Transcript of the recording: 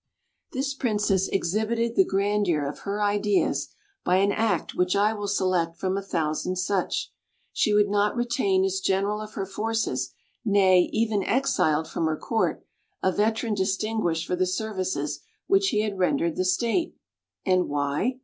This Princess exhibited the grandeur of her ideas by an act which I will select from a thousand such. She would not retain as General of her forces, nay, even exiled from her Court, a veteran distinguished for the services which he had rendered the State. And why?